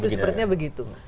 itu sepertinya begitu